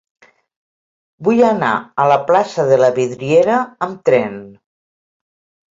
Vull anar a la plaça de la Vidriera amb tren.